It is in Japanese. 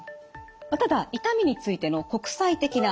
ただ痛みについての国際的な学会